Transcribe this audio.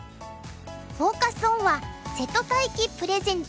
フォーカス・オンは「瀬戸大樹プレゼンツ！